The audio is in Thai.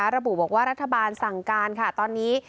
ระบุบอกว่ารัฐบาลสั่งการค่ะตอนนี้